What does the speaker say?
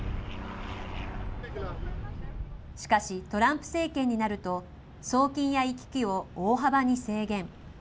しかし、トランプ政権になると、送金や行き来を大幅に制限。